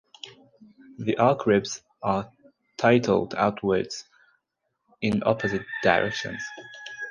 The arch ribs are titled outwards in opposite direction.